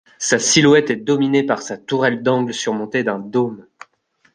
Sa silhouette est dominée par sa tourelle d'angle surmontée d'un dôme.